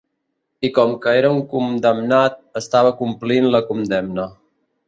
I com que era un condemnat, estava complint la condemna.